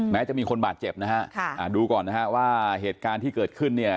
จะมีคนบาดเจ็บนะฮะดูก่อนนะฮะว่าเหตุการณ์ที่เกิดขึ้นเนี่ย